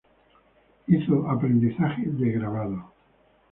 Hizo aprendizaje de grabado.